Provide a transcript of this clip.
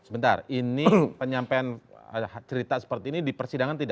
sebentar ini penyampaian cerita seperti ini di persidangan tidak